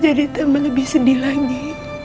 jadi teman lebih sedih lagi